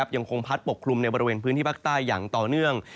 ยังคงพัดปกคลุมในบริเวณพื้นที่ภาคใต้อย่างต่อเนื่อง